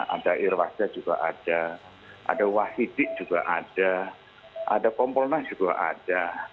ada irwasya juga ada ada wasidik juga ada ada kompulensi juga ada